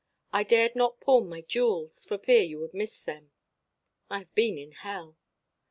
I dared not pawn my jewels, for fear you would miss them. "I have been in hell.